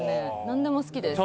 何でも好きです。